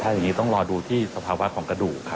อย่างนี้ต้องรอดูที่สภาวะของกระดูก